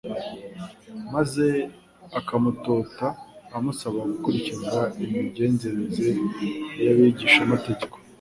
maze akamutota amusaba gukurikiza imigenzereze y'Abigishamategeko